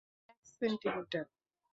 মাত্র এক সেন্টিমিটার?